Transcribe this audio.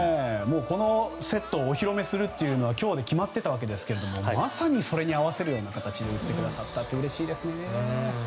このセットをお披露目するのは今日で決まっていたわけですがまさに、それに合わせるような形で打ってくれて、うれしいですね。